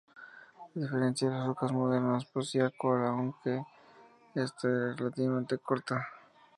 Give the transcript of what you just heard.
A diferencia de las focas modernas, poseía cola, aunque esta era relativamente corta.